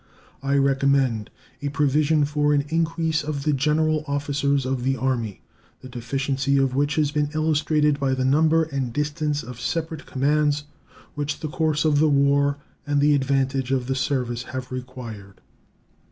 I recommend a provision for an increase of the general officers of the Army, the deficiency of which has been illustrated by the number and distance of separate commands which the course of the war and the advantage of the service have required.